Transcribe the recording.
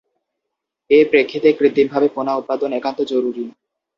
এ প্রেক্ষিতে কৃত্রিমভাবে পোনা উৎপাদন একান্ত জরুরি।